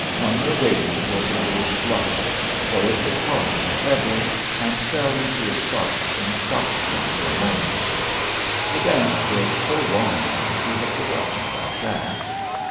Cumnor waited for the word "bluff"; for it was hard and heavy, and fell into his thoughts, and stopped them for a moment. The dance was so long now he had forgotten about that.